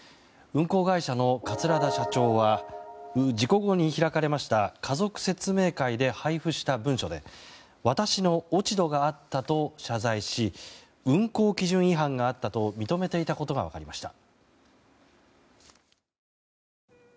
運航会社の桂田社長は事故後に開かれました家族説明会で配布した文書で私の落ち度があったと謝罪し運航基準違反があったと認めていたことが分かりました。